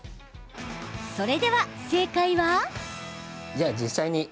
それでは、正解は？